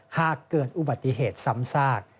หากเกิดอุบัติเหตุซ้ำซาก